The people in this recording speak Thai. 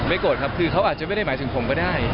โกรธครับคือเขาอาจจะไม่ได้หมายถึงผมก็ได้